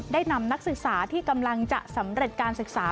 ได้นำนักศึกษาที่กำลังจะสำเร็จการศึกษา